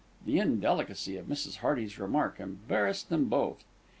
The indelicacy of Mrs. Hearty's remark embarrassed them both.